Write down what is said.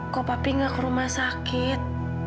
kok papi gak ke rumah sakit